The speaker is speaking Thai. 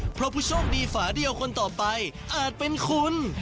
เพราะผู้โชคดีฝาเดียวคนต่อไปอาจเป็นคุณ